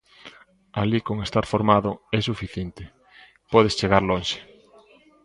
Alí con estar formado é suficiente, podes chegar lonxe.